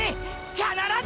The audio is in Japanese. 必ず！！